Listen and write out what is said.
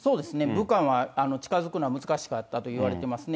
武漢は近づくのは難しかったといわれてますね。